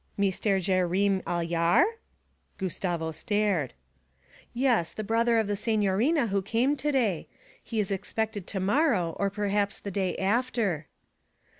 'Meestair Jayreem Ailyar?' Gustavo stared. 'Yes, the brother of the signorina who came to day. He is expected to morrow or perhaps the day after.'